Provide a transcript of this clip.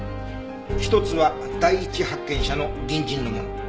一つは第一発見者の隣人のもの。